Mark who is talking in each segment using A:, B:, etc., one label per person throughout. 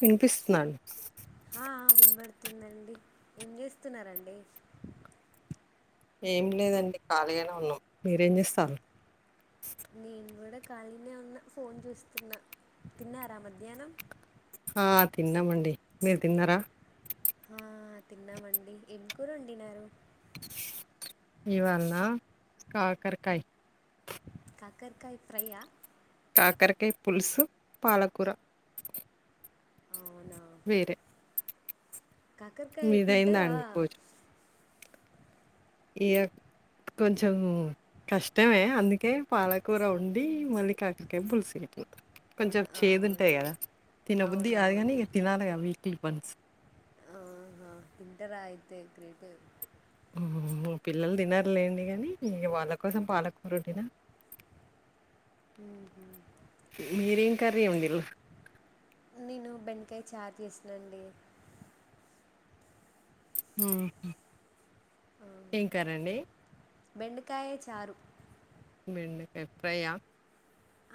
A: వినిపిస్తున్నాను
B: వతుందండి ఏం చేస్తున్నారంండి
A: ఏం లేదండి ఖాళీగానే ఉన్నా మీరేం చేస్తారు
B: నేను కూడాడ కాళిన ఉన్న ఫోన్ చూస్తున్న తిన్నార మధ్యాహ్నం
A: ఆ తిన్నామండి మీరు తిన్నారా
B: ఆ తిన్నామండి ఏంకరు వండిన
A: ఇవాలా కాకరకాయ
B: కకరకాయ ఫ్రైయాయా
A: కాకరకాయ పులుసు పాలకూర
B: అవునా
A: వేరే
B: కాకరకాయ
A: మీదయిందా
B: తింటారా
A: అండి ఇ కొంచెం కష్టమే అందుకే పాలకూర ఉండి మళ్ళీ కాకడికే పులుసు అయిపోతారు కొంచెం
B: ఆ,
A: చేదు ఉంటాయి కదా తినబుద్ధది కాదు కానీ
B: అవునవును
A: ఇంక తినాలిగా స్టీపన్స్
B: ఆహా ఇంటర్ ఆ అయితే గ్రేట్ ఏ
A: ఉహు పిల్లలు తినరూ లేండి కానీ ఇగ వాళ్ళ కోసం పాలకూర వండిన
B: మ్మ్.
A: మీరేం కర్రీ వండిన్రు
B: నేను బెండకాయ చారు చేసానండీ
A: ఉమ్
B: ఆ,
A: ఏం కర్రండి
B: బెండకాయ చారు
A: బెండకాయ ఫ్రయ్య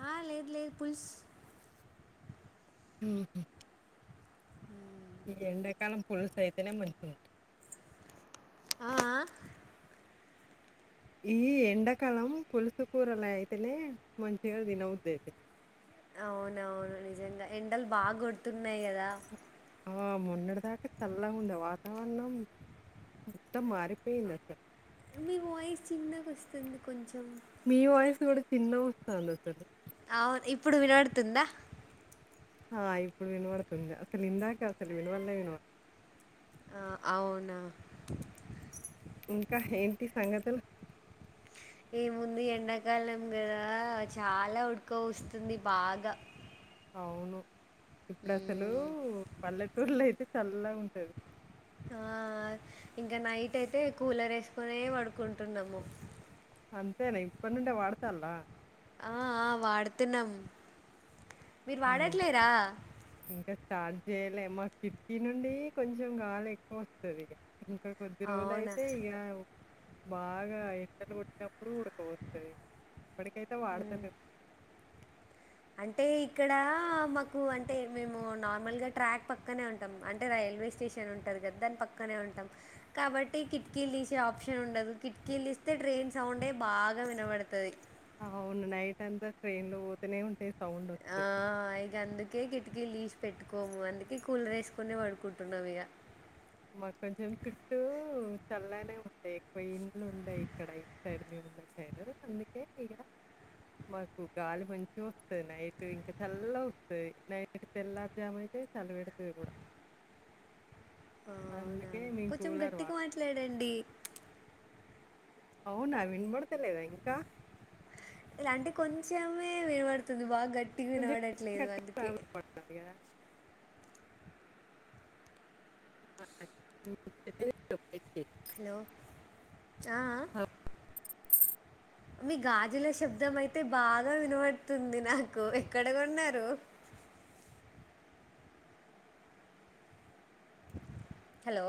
B: ఆ లేదు లేదు పులుస్
A: ఉహు
B: మ్మ్.
A: ఈ ఎండాకాలం పులుసు అయితేనే మంచిగుంటది
B: ఆ ఆ
A: ఈ ఎడాకలం పులుసు కూరలు అయితేనే మంచిగా తినబుద్ధి అవుతది
B: అవునవును నిజంగా ఎండలు బాగా కొడుతున్నాయి కదా
A: ఆ మొన్నటి దాకా చల్లగా ఉండే వాతావరణం మొత్తం మారిపోయింది అసలు
B: మీ వాయిస్ చిన్నగా అస్తుంది కొంచెం
A: మీ వాయిస్ కూడా చిన్నగా వస్తుంది అసలు
B: అవును ఇప్పుడు వినడుతుందా
A: ఆ ఇప్పుడు వినవడుతుంది అసలు ఇందాక అసలు వినవడలే వినవడ
B: ఆ అవునా
A: ఇంకా ఏంటి సంగతులు
B: ఏముంది ఎండాకాలం కదా చాలా ఉడుక పోస్తుంది బాగా
A: అవును ఇప్పుడు అసలు
B: మ్మ్.
A: పల్లె ఊర్లో అయితే చల్ల ఉంటది
B: ఆ ఇంకా నైట్ అయితే కూలర్ ఏసుకునే పడుకుంటున్నాము
A: అంతేనా ఇప్పటి నుండే వాడతన్లా
B: ఆ ఆ వాడుతున్నాం మీరు
A: హ్మ్.
B: వాడట్లేరా
A: ఇంకా స్టార్ట్ చేయలే మా కిట్కీ నుండి కొంచెం గాలి ఎక్కువ వస్తది ఇంకా కొద్ది రోజులు
B: అవునా
A: అయితే ఇడ బాగా ఎండలు కొట్టినప్ ఇప్పుడు ఉడక పోస్తది ఇప్పటికైతే వాడతాలేం
B: అంటే ఇక్కడ మాకు అంటే మేము నార్మల్గా ట్రాక్ పక్కనే ఉంటాం అంటే రైల్వే స్టేషన్ ఉంటంది కదా దాని పక్కనే ఉంటాం కాబట్టి కిటికీలు తీసే ఆప్షన్ ఉండదు కిటికీలు ఇస్తే ట్రైన్ సౌండే బాగా వినబడతాది
A: అవును నైట్ అంతా ట్రైన్లు వోతనే ఉంటాయి
B: ఆ
A: సౌండొస్తది.
B: ఇగ అందుకే కిటికిల్తీసి పెట్టుకోము అందుకే కూలర్ వేసుకునే పడుకుంటున్నాం ఇగా
A: మాకు కొంచెం చుట్టూ చల్లనే ఉంటాయి ఎక్కువ ఇండ్లు ఉంటాయి ఇక్కడ సైడ్ మేమున్న సైడు అందుకే ఇక మాకు గాలి మంచి వస్తుంది నైట్ ఇంకా చల్ల వస్తంది నైట్ తెల్లరీ జామ్ అయితే చల్ల
B: అవునా
A: అందుకే మేము
B: కొంచెం
A: కూలర్
B: గట్టిగా
A: వాడం.
B: మాట్లాడండి
A: అవునా వినబడతలేదా ఇంకా?
B: ఎలాంటే కొంచమే వినవడుతుంది బాగా గట్టి వి
A: కొంచెం
B: నడట్లేదు
A: కట్టి
B: అందుకే
A: ట్రావెల్ పడాలి కదా చెప్పేసి
B: హలో ఆఆ మీ గాజుల శబ్దం అయితే బాగా వినపడుతుంది నాకు ఎక్కడ కొన్నారు. Hello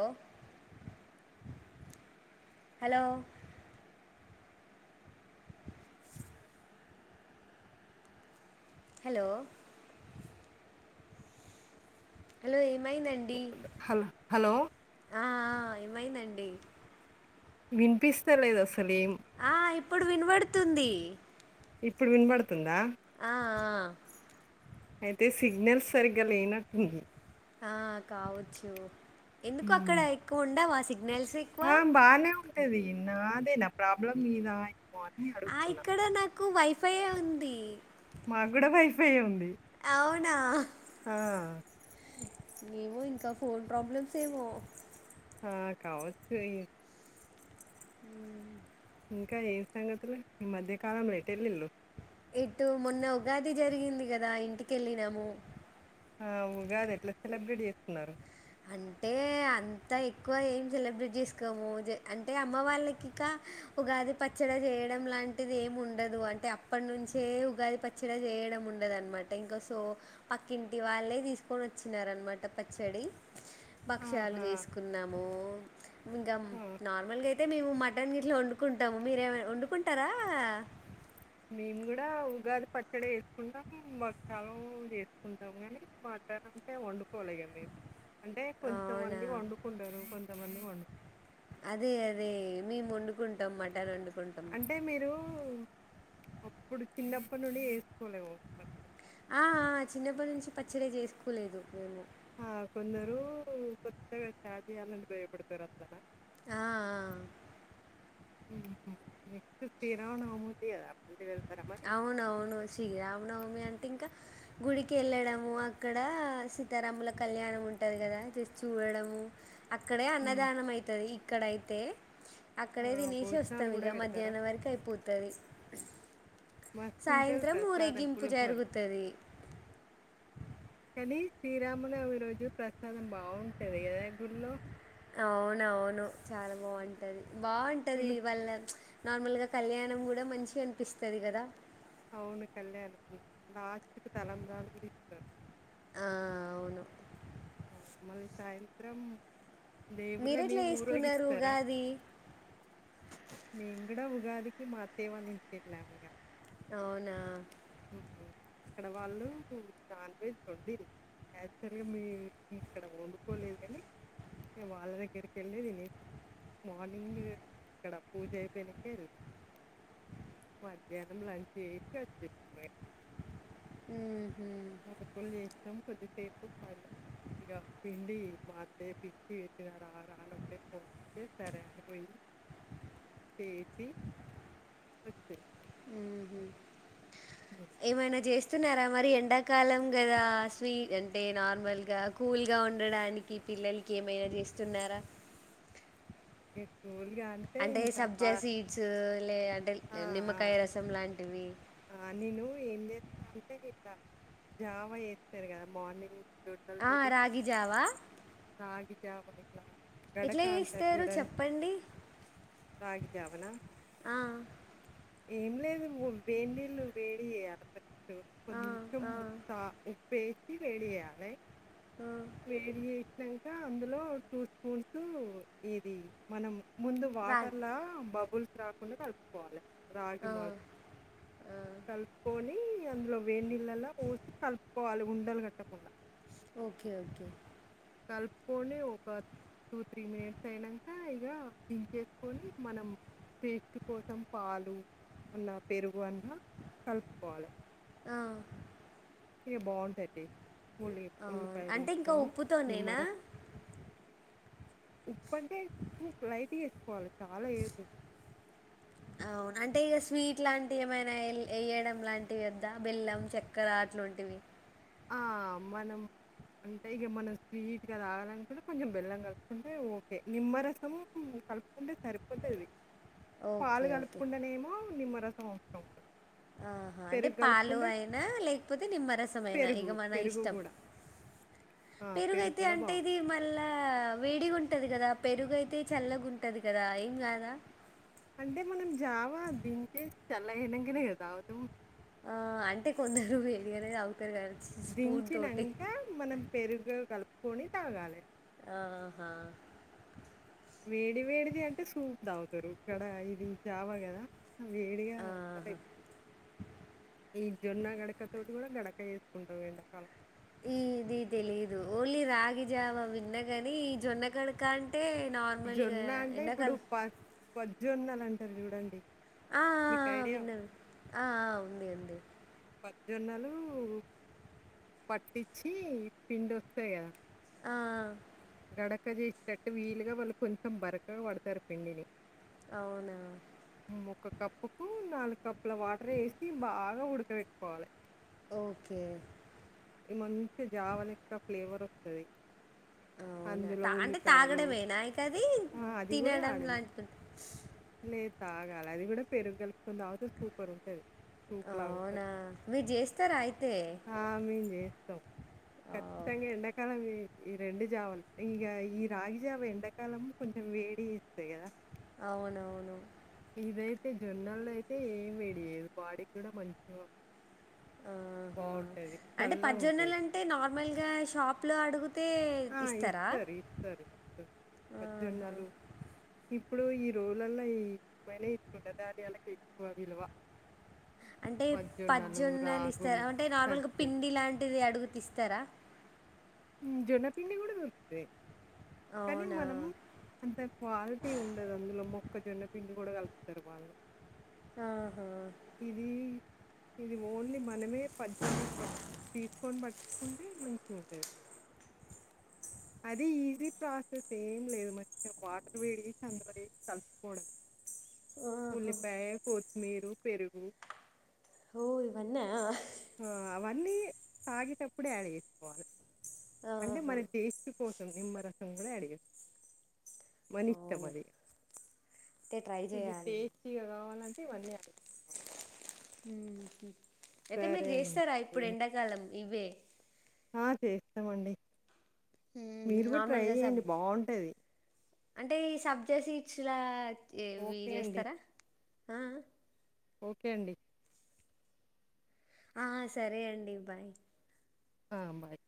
B: hello. హలో. హలో ఏం మైందండి
A: హలో హలో
B: ఆ ఆ ఏం మైందండి.
A: వినిపిస్త లేదు అసలు. ఏం
B: ఆ ఇప్పుడు వినబడు తుంది
A: ఇప్పుడు వినపడుతుందా.
B: ఆ ఆ.
A: అయితే సిగ్నల్స్ సరిగ్గా లేనట్టుంది.
B: ఆ కావచ్చు ఎందుకొ అక్కడ
A: మ్మ్.
B: ఎక్కువ ఉండవ అసలు. నెల్సిక్వ్
A: ఆ, బానే ఉంటది నాదేన ప్రాబ్లం మీద
B: ఆ ఇక్కడ నాకు వైఫై ఏ ఉంది
A: మాక్కూడా వైఫై ఉంది
B: అవునా
A: ఆ,
B: ఏమో ఇంకా ఫోన్ ప్రాబ్లంఏమో
A: ఆ కావచ్చు ఇ ఇంకా ఏం సంగతులు ఈ మధ్యకాలంలో ఎటుఎళ్లిల్లు
B: ఇటు మొన్న ఉగాది జరిగింది కదా ఇంటికెళ్ళినము.
A: ఆ ఉగాది ఎట్లా సెలబ్రేట్ చేసుకున్నారు.
B: అంటే అంతా ఎక్కువ ఏం సెలబ్రేట్ చేసుకోము అంటే అమ్మ వాళ్లకు ఇక ఉగాది పచ్చడి చేయడం లాంటిది ఏమి ఉండదు అంటే అప్పటినుంచి ఉగాది పచ్చడి చేయడం ఉండదన్నమాట. ఇంకా సో పక్కింటి వాలే తీసుకొని వచ్చినారు అన్నమాట పచ్చడి. భక్షాలు
A: ఆహా
B: చేసుకున్నాము ఇంక
A: ఆ.
B: నార్మల్ గా అయితే మేము మా దాన్ని ఇట్లా వండుకుంటాం మీరేమ వండుకుంటారా.
A: మేము కూడా ఉగాది పచ్చడి చేసుకుంటాం భక్షాలు చేసుకుంటాం కానీ మటన్ అంటే వండుకోలే ఇగ మేము. అంటే
B: అవునా
A: కొంతమంది వండుకుంటారు కొంత కొంతమంది వండు
B: అదే అదే మేము వండుకుంటాం మటన్ వండుకుంటం
A: అంటే మీరు అప్పుడు చిన్నప్పటినుండి చేసుకోలేదు కావచ్చు బచ్చా
B: ఆ ఆ చిన్నప్పటి నుంచి పచ్చడ చేసుకోలేదు మేము.
A: ఆ కొందరు కొత్తగా స్టార్ట్ చేయాలంటే భయపడతారు అట్లానా
B: ఆ ఆ
A: ఉహు నెక్స్ట్ శ్రీరామనవమి ఉంది కదా మళ్ళీ వెళ్తారా మరి
B: అవునవును శ్రీరామనవమి అంటే ఇంకా గుడికి ఎళ్ళడము అక్కడ సీతారాముల కళ్యాణం ఉంటది కదా జస్ట్ చూడడము అక్కడే
A: ఉమ్.
B: అన్నదానం అయితది ఇక్కడైతే
A: ఆ
B: అక్కడే తినేసి
A: భోజనాలు
B: వస్తాం ఇగ
A: కూడా పెడతారా
B: మధ్యాహ్నం వరకు అయిపోతది
A: మస్తుంటది
B: సాయంత్రం
A: ప్రసాదం
B: ఊరేగింపు
A: పులిహోర
B: జరుగుతది.
A: కానీ శ్రీరామునవమి రోజు ప్రసాదం బాగుంటది గుళ్ళో
B: అవునవును చాల బాగుంటది.
A: పులి
B: బావుంటది వాళ్ళ నార్మల్గా కళ్యాణం కూడా మంచిగా అనిపిస్తది కదా
A: అవును కళ్యాణం నద్ తలంబ్రాలు కూడా ఇత్తరు
B: ఆ! అవును.
A: ఉమ్ మళ్లీ సాయంత్రం దేవుళ్ళని
B: మీరెట్లా చేసుకున్నారు
A: ఊరేగిస్తారా
B: ఉగాది?
A: మీ ఇక్కడ ఉగాదికి మా అత్తయ్య వాళ్ళ ఇంటికి వెళ్ళాము ఇగ
B: అవునా
A: అక్కడ వాళ్ళు నాన్ వెజ్ వండిల్లు యాక్చువల్ గా మీ అక్కడ వండుకోలేదు గాని ఇక వాళ్ల దగ్గరికి వెళ్లి తినేసి వచ్చాం మార్నింగ్ ఇక్కడ పూజ అయిపోయినాంక వెళ్ళినం మధ్యాహ్నం లంచ్ చేసి వచ్చేసినం ఇగ
B: ఉహు
A: మురుకులు చేసినం కొద్దిసేపు ఇగ పిండి మా అత్తయ్యకిచ్చి ఇక నువ్వే రా రా అని ఫోన్ చేస్తే సరే అంటే పోయి వచ్చింది
B: ఉహు ఏమైనా చేస్ తుస్తున్నారా మరి ఎండాకాలం కదా స్వీట్ అంటే నార్మల్గా కూల్ గా ఉండడానికి పిల్లలకి ఏమైనా చేస్తున్నారా
A: ఎం
B: అంటే సబ్జా సీడ్స్ లే అంటే
A: ఆ, ఆ,
B: నిమ్మకాయ రసం లాంటివి.
A: ఆ, నేను ఏం చేస్తామంటే ఇట్లా జావా చేస్తారు కదా మార్నింగ్
B: ఆ రాగి జావా
A: రాగిజావనే గడక అంటారు.
B: తరు
A: చూడండి
B: చెప్పండి
A: రాగి జావనా
B: ఆ
A: ఏం లేదు వేడి నీళ్లు వేడి చేయాలి
B: ఆ!
A: కొంచెం
B: ఆ!
A: మూత్త ఉప్పే వేడి చేయాలె
B: ఆ!
A: వేడి చేసినంక కా అందులో టూ స్పూన్స్ ఇది మనం ముందు
B: రాగి
A: వాటర్లా బబుల్ రాకుండా కలుపుకోవాలి రాగి
B: ఆ!
A: మాల్పు
B: ఆ!
A: కలుపుకొని అందులో వేడి నీల్లలా పోసి కలుపుకోవాలి ఉండలు కట్టకుండా
B: ఓకే ఓకే
A: కలుపుకని ఒక టూ త్రీ మినిట్స్ అయినాక ఇగ దించేసుకొని మనం టేస్ట్ కోసం పాలు అన్న పెరుగు అన్నా కలుపుకోవాలే
B: ఆ
A: ఇగా బాగుంటది టే కొని ఉల్లిపాయలు వేసుకొని
B: తోనేనా
A: ఉప్పంటే ను లైట్గా ఏసుకోవాలి చాలా ఏయెద్దు
B: అవును అంటే ఇక స్వీట్ లాంటివి ఏమైనా ఏ ఏయడం లాంటివి వద్దా బెల్లం చక్కెర అట్లోంటివి
A: ఆ మనం అంటే ఇగ మనం స్వీట్గా తాగానుకుంటే కొంచెం బెల్లం కలుపుకుంటే ఓకే నిమ్మరసము కలుపుకుంటే సరిపోతుది
B: ఓకే.
A: పాలు
B: ఓకే.
A: కలుపుకుండానేమో నిమ్మరస్ [unintelligible]
B: ఆహా అంటే పాలు అయినా లేకపోతే నిమ్మరసం ఐనా ఇక
A: పెరుగు,
B: మన
A: పెరుగు
B: ఇష్టం
A: గూడా. ఆ! పెరుగు
B: పెరుగైతే
A: గూడా
B: అంటే
A: బావుం
B: ఇది మళ్ళా వేడిగా ఉంటది కదా పెరుగైతే చల్లగా ఉంటది కదా ఏం కాదా
A: అంటే మనం జావా దీంటే చల్లనగైనకనేకదావుతం
B: ఆ అంటే కొందరు వేడిగానే తాగ్
A: దించినంక మనం పెరుగగలుప్ కొనీ తాగాలే
B: ఆహా
A: వేడి వేడిది అంటే సూప్ తాగుతారు ఇక్కడ ఇది జావా కదా
B: ఆ హా
A: ఈ జొన్న గడక తోటి కూడా గడక చేసుకుంటం ఎండకాలం
B: ఈ ఇది తెలిదు ఓన్లీ రాగి జావ విన్నగని ఈ జొన్న కడకా అం
A: జొన్న అంటే ఇప్పుడు ప పొద్జొన్న అంటారు చూడండి
B: ఆ ఆ
A: మీకు ఐడియా
B: విన్న
A: ఉందా
B: విన్న ఆ ఉంది ఉంది
A: జొన్నలు పట్టించి పిండి ఒస్తాయి కదా
B: ఆ! ఆ!
A: గడక చేసటట్టు వీలుగా వాళ్ళు కొంచెం బరకగా పడతారు పిండిని
B: అవునా
A: ఉమ్, ఒక కప్పుకు నాలుగు కప్పుల వాటర్ వేసి బాగా ఉడక పెట్టుకోవాలి
B: ఓకే.
A: ఈ మంచి జావ లెక్క ఫ్లేవర్ స్తది
B: అవునా అంటె తాగడమేనా ఇక అది
A: ఆ, అది కూడా
B: తినడం
A: తాడేము
B: లాంటిది
A: లేదు తాగాల అది కూడా పెరుగు కలుపుకుని తాగితె సూపర్ ఉంటది
B: అవునా మీరు చేస్తార అయితె
A: తం కచ్చితంగ ఎండకాలం చేయ ఈ రెండు జావలు ఇంగ ఈ రాగి జావ ఎండాకాలం కొంచెం వేడి చేస్తయి కద
B: అవునవును
A: ఇదైతతె జొన్నల్లో అయితే ఏం వేడి చేయదు బాడీకి కూడా మంచిగా ఉంటది
B: ఆహా అంటే పజోన్నలు
A: చల్లగుంటది.
B: అంటే నార్మల్ గా షాప్ లో అడుగుతు
A: ఆ ఇస్తారు ఇస్తరు ఇస్తరు
B: ఆహా!
A: పజోన్నలు ఇ ఇప్పుడు ఈ రోజులలో ఈక్కు ఈ రుణధాన్యాలకు ఎక్కువ విలువ
B: అంటె
A: పచ్చజొన్నలు,
B: పజోన్నలు ఇస్తారు
A: రాగులు,
B: అంటే నార్మల్గా
A: సజ్జ
B: పిండి లాంటిది అడుగుతె ఇస్తారా
A: జొన్నపిండి కూడా దొరుకుతాయి కానీ
B: అవునా!
A: మనం అంత క్వాలిటీ ఉండదు అందులో మొక్కజొన్న పిండి కూడ కలుపుతారు వాళ్ళు
B: ఆహా
A: ఇది ఇది ఓన్లీ మనమే పజోన్నలు పట్టి తీసుకొని బట్ ఉంటె మంచిగుంటది అది ఈజీ ప్రాసెస్ ఏం లేదు మంచిగ వాటర్ వేడి చేసి అందులో వేసి కలుసుకోవడమే
B: ఆహా
A: ఉల్లిపాయ కోస్ మీరు పెరుగు
B: ఓ ఇవన్నా
A: తాగేటప్పుడే యాడ్ చేసుకోవాలి అంటే
B: ఆహా
A: మన టేస్ట్ కోసం నిమ్మ రసం కూడ యాడ్ చెస్ మనిష్టం
B: అవునా
A: అది
B: అయితే ట్రై
A: ఇది
B: చేయాలి
A: టేస్టీగా కావాలంటే ఇవన్నీ యాడ్ చేసుకో
B: అయితే మీరు చేస్తారా ఇప్పుడు ఎండాకాలం ఇవే
A: ఆ చేస్తమండి మీరు కూడ ట్రై
B: నార్మల్గా సబ్
A: చెయండి బాగుంటది
B: అంటే ఈ సబ్జస్ ఇచ్చలా ఏవి
A: ఓకే అండి
B: చేస్తార ఆ
A: ఓకే అండి
B: ఆ సరే అండి బాయ్
A: ఆ బాయ్